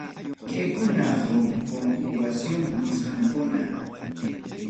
Kaykunam huk conjugación nisqankuna.